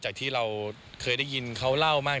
จากที่เราเคยได้ยินเขาเล่ามาก